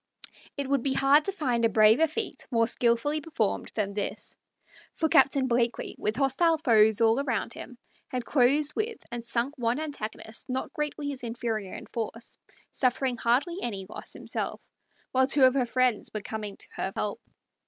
It would be hard to find a braver feat more skilfully performed than this; for Captain Blakeley, with hostile foes all round him, had closed with and sunk one antagonist not greatly his inferior in force, suffering hardly any loss himself, while two of her friends were coming to her help.